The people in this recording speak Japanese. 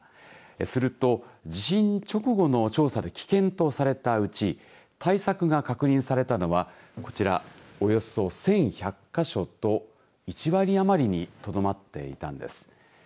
すると地震直後の調査で危険とされたうち対策が確認されたのはこちら、およそ１１００か所と１割余りにとどまっていたんです。